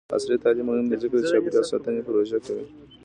عصري تعلیم مهم دی ځکه چې د چاپیریال ساتنې پروژې کوي.